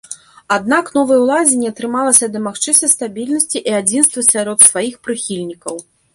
Аднак новай уладзе не атрымалася дамагчыся стабільнасці і адзінства сярод сваіх прыхільнікаў.